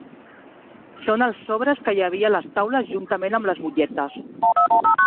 Són els sobres que hi havia a les taules, juntament amb les butlletes.